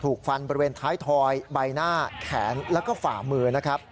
ถูกฟันบริเวณท้ายทอยใบหน้าแขนและฝ่ามือ